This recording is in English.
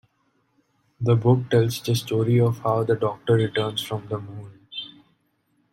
The book tells the story of how the Doctor returns from the moon.